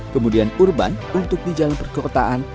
kemudian urban untuk di jalan perkotaan